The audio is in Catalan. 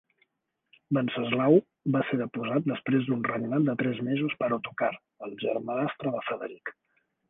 Wenceslau va ser deposat després d'un regnat de tres mesos per Ottokar, el germanastre de Frederic.